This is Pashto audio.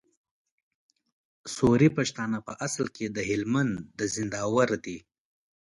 سوري پښتانه په اصل کي د هلمند د زينداور دي